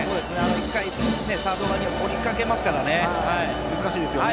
１回、サード側に下りかけますから難しいですよね。